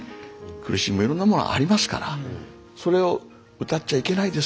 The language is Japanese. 苦しみもいろんなものありますからそれを歌っちゃいけないですかって僕は言うんですよね。